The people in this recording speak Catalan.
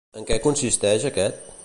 En què consisteix aquest?